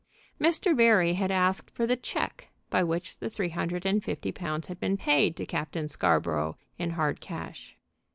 Mr Barry had asked for the check by which the three hundred and fifty pounds had been paid to Captain Scarborough in hard cash.